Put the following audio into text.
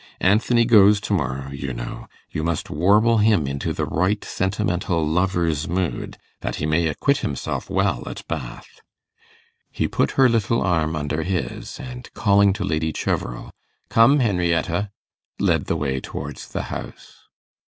Anthony goes to morrow, you know; you must warble him into the right sentimental lover's mood, that he may acquit himself well at Bath.' He put her little arm under his, and calling to Lady Cheverel, 'Come, Henrietta!' led the way towards the house.